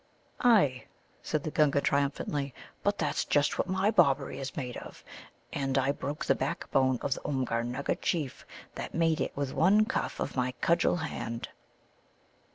"Ay," said the Gunga triumphantly, "but that's just what my Bobberie is made of, and I broke the backbone of the Oomgar nugga chief that made it with one cuff of my cudgel hand."